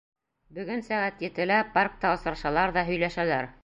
Бөгөн сәғәт етелә паркта осрашалар ҙа һөйләшәләр.